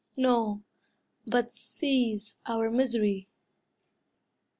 No; but sees our misery.